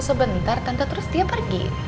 sebentar tanpa terus dia pergi